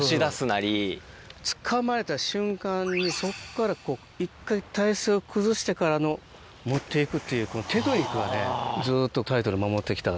つかまれた瞬間にそっからこう１回体勢を崩してからの持って行くっていうこのテクニックがねずっと。